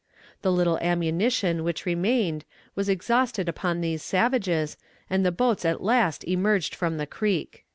The little ammunition which remained was exhausted upon these savages, and the boats at last emerged from the creek."